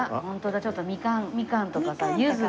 ちょっとみかんとかさユズとかさ。